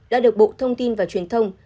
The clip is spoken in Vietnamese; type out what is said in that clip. đã được bộ thông tin và truyền thông